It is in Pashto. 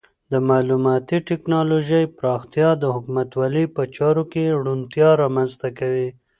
د معلوماتي ټکنالوژۍ پراختیا د حکومتولۍ په چارو کې روڼتیا رامنځته کوي.